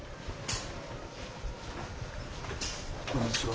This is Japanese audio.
こんにちは。